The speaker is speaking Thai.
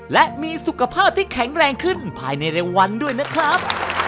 และมีสุขภาพที่แข็งแรงขึ้นภายในเร็ววันด้วยนะครับ